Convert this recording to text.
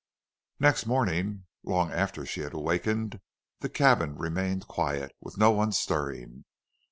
Next morning, long after she had awakened, the cabin remained quiet, with no one stirring.